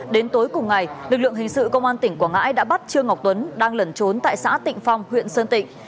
đến tối cùng ngày lực lượng hình sự công an tỉnh quảng ngãi đã bắt trương ngọc tuấn đang lẩn trốn tại xã tịnh phong huyện sơn tịnh